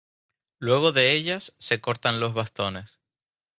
Luego de ellas se cortan los bastones.